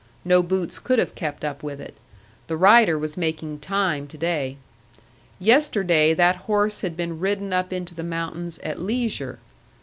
No boots could have kept up with it. The rider was making time to day. Yesterday that horse had been ridden up into the mountains at leisure.